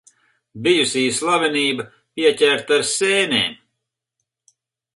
Bijusī slavenība pieķerta ar sēnēm.